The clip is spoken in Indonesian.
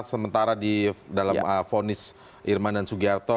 sementara di dalam vonis irman dan sugiharto